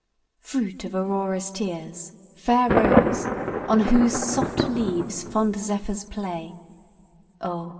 I. FRUIT of Aurora's tears, fair rose, On whose soft leaves fond zephyrs play, Oh!